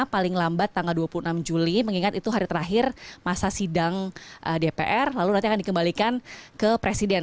paling lambat tanggal dua puluh enam juli mengingat itu hari terakhir masa sidang dpr lalu nanti akan dikembalikan ke presiden